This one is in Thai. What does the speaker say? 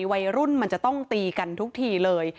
วัยรุ่นมันจะต้องตีกันทุกทีเลย